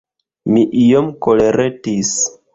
Mi iom koleretis!